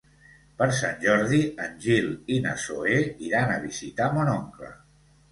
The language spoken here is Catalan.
Per Sant Jordi en Gil i na Zoè iran a visitar mon oncle.